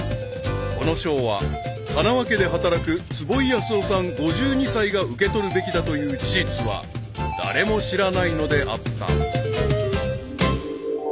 ［この賞は花輪家で働く坪井康男さん５２歳が受け取るべきだという事実は誰も知らないのであった］